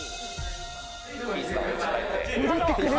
戻ってくる？